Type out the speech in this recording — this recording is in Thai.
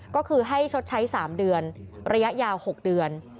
ก็คือให้ชดใช้๓เดือนระยะยาว๖เดือน